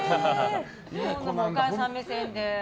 お母さん目線で。